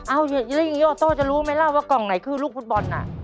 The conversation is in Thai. เอาอย่างนี้ออโต้จะรู้ไหมล่ะว่ากล่องไหนคือลูกฟุตบอลน่ะ